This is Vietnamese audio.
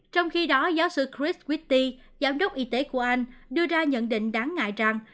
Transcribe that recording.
trong khi đó giáo sư chris witti giám đốc y tế của anh đưa ra nhận định đáng ngại rằng